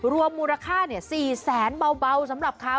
รวมมูลค่า๔แสนเบาสำหรับเขา